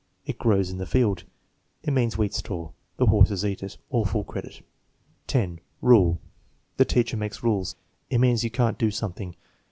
"It grows in the field," "It means wheat straw." "The horses eat it." (All full credit.) 10. Rule. "The teacher makes rules." "It means you can't do something."